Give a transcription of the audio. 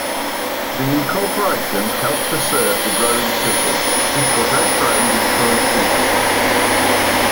The incorporation helped to serve the growing city, which was outgrowing its current infrastructure.